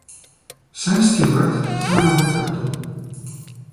Sam Stuart è un avvocato.